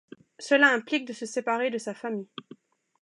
Cela implique de se séparer de sa famille.